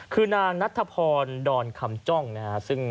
คือนางนัทธพรดรคำจ้องนะครับ